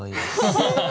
ハハハ。